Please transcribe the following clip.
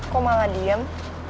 kok malah diem